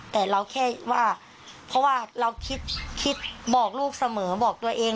แต่เราแค่ว่าเพราะว่าเราคิดบอกลูกเสมอบอกตัวเอง